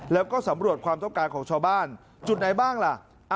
แล้วก็สำรวจความต้องการของชาวบ้านจุดไหนบ้างล่ะ